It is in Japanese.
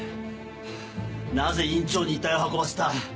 なぜ院長に遺体を運ばせた？